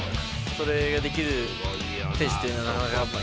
それができる選手っていうのはな